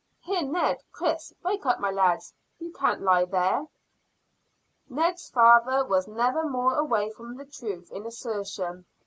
Here, Ned Chris! Wake up, my lads; you can't lie there." Ned's father was never more away from the truth in an assertion.